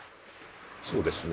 そうですね。